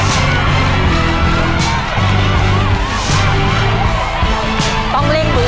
เก้ซ้ายแล้วนี้